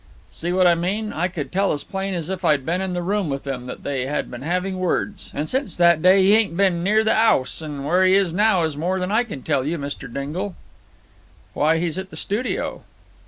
"See what I mean? I could tell as plain as if I'd been in the room with them that they had been having words. And since that day 'e ain't been near the 'ouse, and where he is now is more than I can tell you, Mr. Dingle." "Why, he's at the studio."